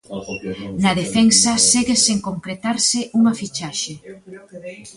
Na defensa segue sen concretarse unha fichaxe.